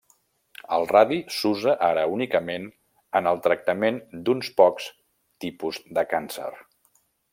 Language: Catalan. El radi s'usa ara únicament en el tractament d'uns pocs tipus de càncer.